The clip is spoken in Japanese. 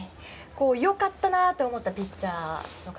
良かったなと思ったピッチャーの方